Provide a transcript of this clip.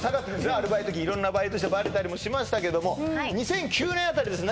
アルバイト期色んなバイトしてバレたりもしましたけども２００９年あたりですね